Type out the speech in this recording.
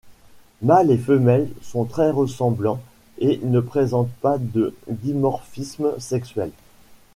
Mâles et femelles sont très ressemblants et ne présentent pas de dimorphisme sexuel.